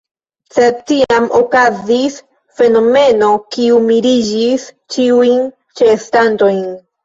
Sed tiam okazis fenomeno, kiu miriĝis ĉiujn ĉeestantojn.